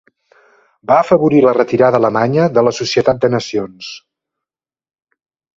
Va afavorir la retirada alemanya de la Societat de Nacions.